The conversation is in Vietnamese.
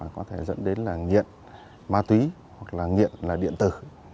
có thể dẫn đến là nghiện ma túy hoặc là nghiện là điện tử